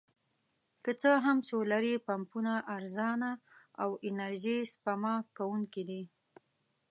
که څه هم سولري پمپونه ارزانه او انرژي سپما کوونکي دي.